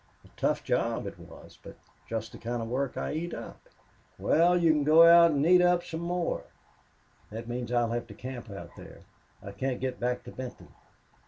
A tough job it was but just the kind of work I eat up." "Well, you can go out and eat it up some more." "That means I'll have to camp out there. I can't get back to Benton."